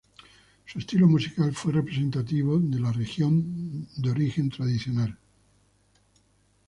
Su estilo musical fue representativo de su región de origen tradicional.